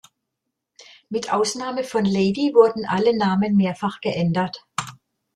Mit Ausnahme von Lady wurden alle Namen mehrfach geändert.